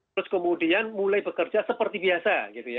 terus kemudian mulai bekerja seperti biasa